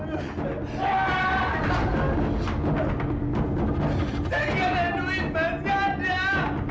sekian dari duit masih ada